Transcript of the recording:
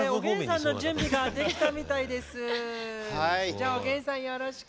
じゃあおげんさんよろしく。